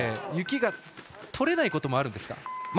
雪が取れないこともあるんですか？